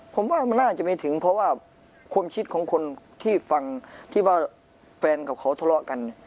ผมว่ามันน่าจะไม่ถึงเพราะว่าความคิดของคนที่ฟังที่ว่าแฟนกับเขาทะเลาะกัน